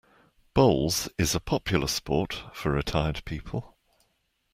Bowls is a popular sport for retired people